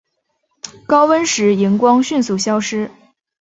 高温时荧光迅速消失。